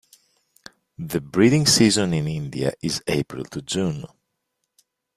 The breeding season in India is April to June.